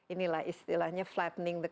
inilah istilahnya flattening the